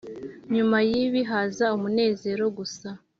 Nyuma yibi haza umunezero gusa